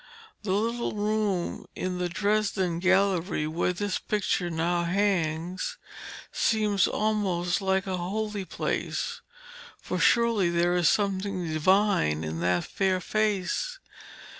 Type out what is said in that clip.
The little room in the Dresden Gallery where this picture now hangs seems almost like a holy place, for surely there is something divine in that fair face.